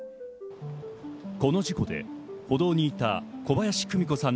この事故で歩道にいた小林久美子さん